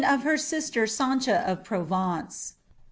of htr sislPr Sanrha of Provence.